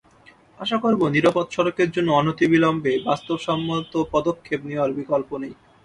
আশা করব, নিরাপদ সড়কের জন্য অনতিবিলম্বে বাস্তবসম্মত পদক্ষেপ নেওয়ার বিকল্প নেই।